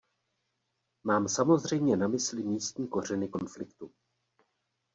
Mám samozřejmě na mysli místní kořeny konfliktu.